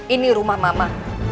ini rumah mama